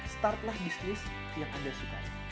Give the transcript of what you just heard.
startlah bisnis yang anda sukai